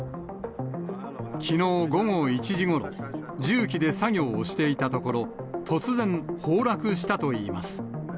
きのう午後１時ごろ、重機で作業をしていたところ、突然崩落したといいます。